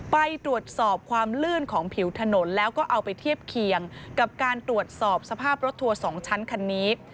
ไปตรวจสอบความลื่นของผิวถนนแล้วก็เอาไปเทียบเคียงกับการตรวจสอบสภาพรถทัวร์๒ชั้นคันนี้